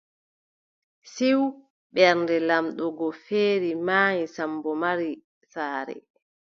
Ciw, Ɓernde laamɗo go feeri, maayi, Sammbo mari saare.